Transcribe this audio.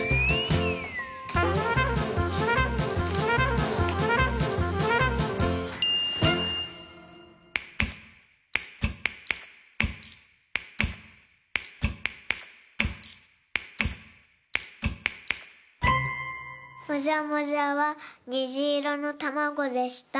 もじゃもじゃはにじいろのたまごでした。